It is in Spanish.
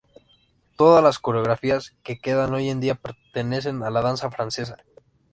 Todas las coreografías que quedan hoy en día pertenecen a la danza francesa.